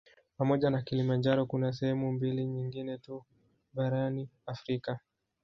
Pamoja na Kilimanjaro kuna sehemu mbili nyingine tu barani Afrika